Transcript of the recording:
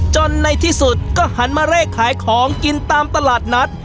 ในที่สุดก็หันมาเลขขายของกินตามตลาดนัด